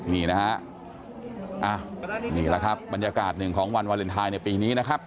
นี่นะฮะนี่แหละครับบรรยากาศหนึ่งของวันวาเลนไทยในปีนี้นะครับ